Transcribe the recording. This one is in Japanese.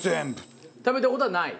食べた事はない？